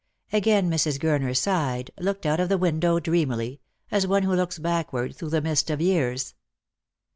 Again Mrs. Gurner sighed, looked out of the window dreamily, as one who looks backward through the mist of years.